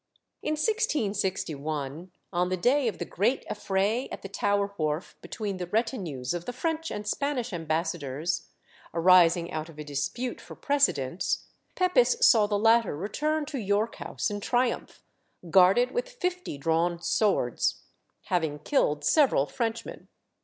In 1661, on the day of the great affray at the Tower Wharf between the retinues of the French and Spanish ambassadors, arising out of a dispute for precedence, Pepys saw the latter return to York House in triumph, guarded with fifty drawn swords, having killed several Frenchmen.